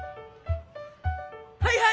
はいはい！